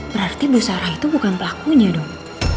berarti bu sarah itu bukan pelakunya dong